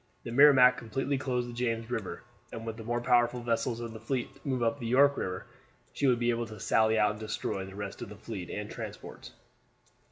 The Merrimac completely closed the James River; and were the more powerful vessels of the fleet to move up the York River, she would be able to sally out and destroy the rest of the fleet and the transports.